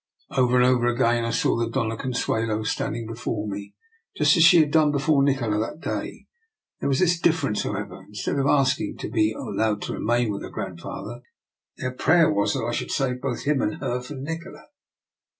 Over and over again I saw the Dona Con suelo standing before me, just as she had done before Nikola that day; there was this differ ence, however — instead of asking to be al lowed to remain with her great grandfather, her prayer was that I should save both him and her from Nikola.